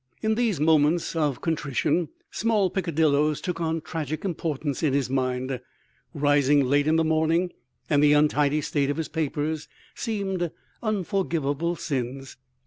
In these moments of contrition small peccadilloes took on tragic importance in his mind. Rising late in the morning and the untidy state of his papers seemed unforgivable sins.